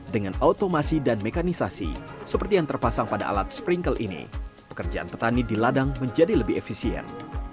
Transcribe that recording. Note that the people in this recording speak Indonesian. dengan automasi dan mekanisasi seperti yang terpasang pada alat sprinkle ini pekerjaan petani di ladang menjadi lebih efisien